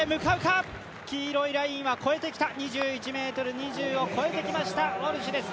黄色いラインは越えてきた２１ｍ２０を超えてきましたウォルシュです。